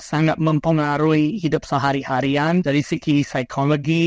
sangat mempengaruhi hidup sehari harian dari segi psikologi